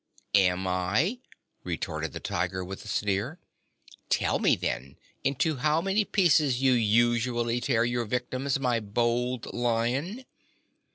"Am I?" retorted the Tiger, with a sneer. "Tell me, then, into how many pieces you usually tear your victims, my bold Lion?"